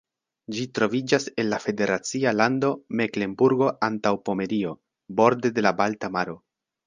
Ĝi troviĝas en la federacia lando Meklenburgo-Antaŭpomerio, borde de la Balta Maro.